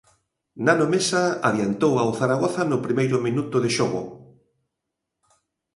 Nano Mesa adiantou ao Zaragoza no primeiro minuto de xogo...